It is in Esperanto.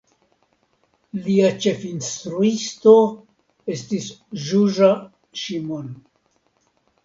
Lia ĉefinstruisto estis Zsuzsa Simon.